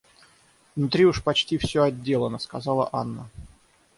Внутри уж почти всё отделано, — сказала Анна.